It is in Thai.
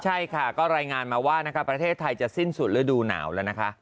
ใช่ค่ะก็รายงานมาว่าประเทศไทยจะสิ้นสุดฤดูหนาวแล้วนะคะ